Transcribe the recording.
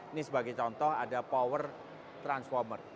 ini sebagai contoh ada power transformer